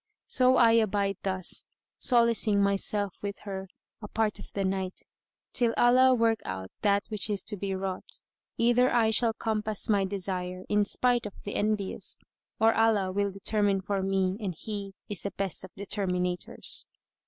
[FN#136] So I abide thus, solacing myself with her a part of the night, till Allah work out that which is to be wrought; either I shall compass my desire, in spite[FN#137] of the envious, or Allah will determine for me and He is the best of determinators."